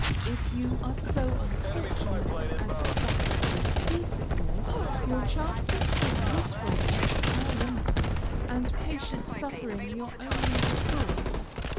If you are so unfortunate as to suffer from sea sickness, your chances for usefulness are limited, and patient suffering your only resource.